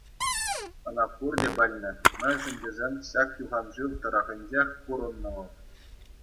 Ӑна пурте пӗлнӗ, мӗншӗн тесен ҫак юхан шыв тӑрӑхӗнчех пурӑннӑ вӑл.